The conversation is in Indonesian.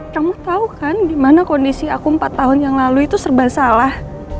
kamu tau kan di mana kondisi aku empat tahun yang lalu itu serba salah